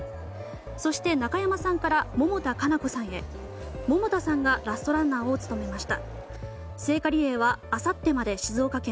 そして、中山さんから百田夏菜子さんへ百田さんがラストランナーを務めました。